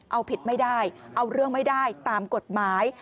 เอาผิดไม่ได้เอาเรื่องไม่ได้ตามกฎหมาย